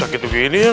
sakit begini ya gak